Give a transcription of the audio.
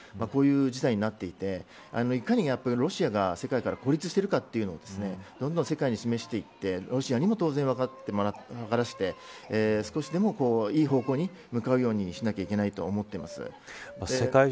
こういう事態になっていていかにロシアが世界から孤立しているかというのがどんどん世界に示していってロシアにも当然分からせて少しでもいい方向に向かうようにしなければいけないと思っています。